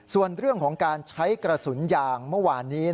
ส่วนเรื่องของการใช้กระสุนยางเมื่อวานนี้